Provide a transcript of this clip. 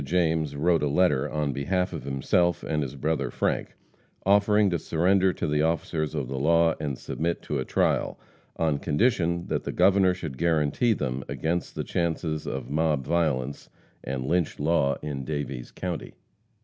James wrote a letter on behalf of himself and his brother Frank, offering to surrender to the officers of the law and submit to a trial, on condition that the Governor should guarantee them against the chances of mob violence and lynch law in Daviess county.